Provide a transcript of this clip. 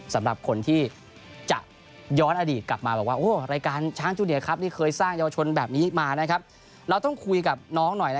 สำหรับคนที่จะย้อนอดีตกลับมาว่า